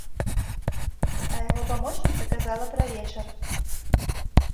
А яго памочніца казала пра вечар!